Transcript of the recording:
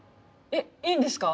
えっいいんですか？